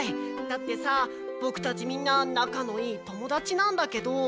だってさボクたちみんな仲のいい友だちなんだけど。